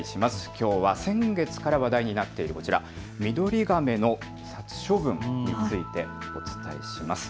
きょうは先月から話題になっているこちら、ミドリガメの殺処分についてです。